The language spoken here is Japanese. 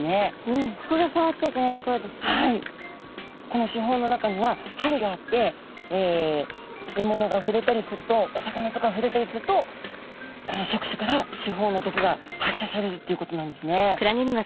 この刺胞の中には針があってえものがふれたりするとお魚とかふれたりするとこの触手から刺胞の毒が発射されるっていうことなんですね。